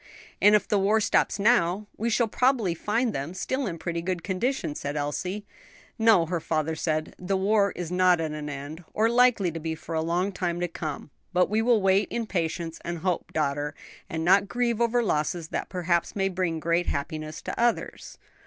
"And if the war stops now, we shall probably find them still in pretty good condition," said Elsie. "No," her father said, "the war is not at an end, or likely to be for a long time to come; but we will wait in patience and hope, daughter, and not grieve over losses that perhaps may bring great happiness to others."